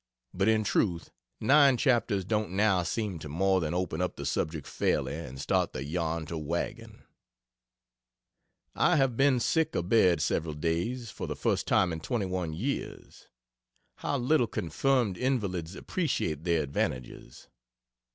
But in truth 9 chapters don't now seem to more than open up the subject fairly and start the yarn to wagging. I have been sick a bed several days, for the first time in 21 years. How little confirmed invalids appreciate their advantages.